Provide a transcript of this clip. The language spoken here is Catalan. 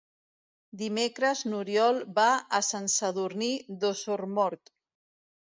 Dimecres n'Oriol va a Sant Sadurní d'Osormort.